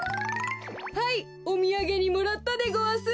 はいおみやげにもらったでごわす。